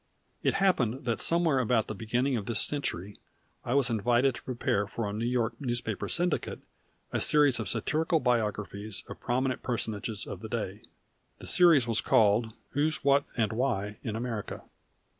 It happened that somewhere about the beginning of this century I was invited to prepare for a New York newspaper syndicate a series of satirical biographies of prominent personages of the day. The series was called "Who's What and Why in America."